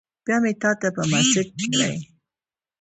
بیا مې تاته په میسج کړی